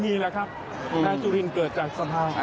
ไม่มีหรือครับนายจุดินเกิดจากสภา